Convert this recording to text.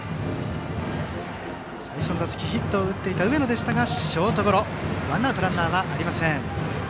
最初の打席ヒットを打っていた上野でしたがショートゴロで、ワンアウトランナーありません。